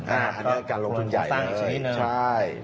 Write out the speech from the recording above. อันนี้การลงทุนใหญ่เลยใช่